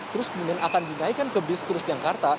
terus kemudian akan dinaikkan ke bus terus jakarta